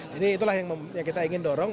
jadi itulah yang kita ingin dorong